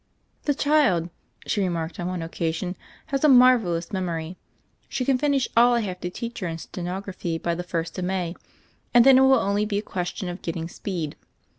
"The child," she remarked on one occasion, "has, a marvelous memory. She can finish all I have to teach her in stenography by the first of May; and then it will be only a question of get ting speed.